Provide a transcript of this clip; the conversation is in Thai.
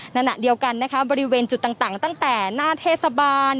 ขณะเดียวกันนะคะบริเวณจุดต่างตั้งแต่หน้าเทศบาล